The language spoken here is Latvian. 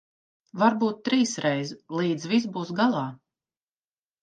Varbūt trīsreiz, līdz viss būs galā.